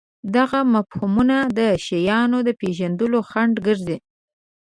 دغه مفهومونه د شیانو د پېژندلو خنډ ګرځي.